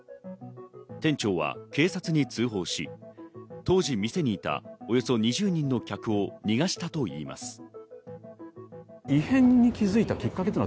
店長は警察に通報し、当時、店にいたおよそ２０人の客を逃がしたといいます。